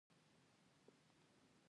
د راجپوتانو دوره پیل شوه.